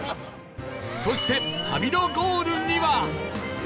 そして旅のゴールには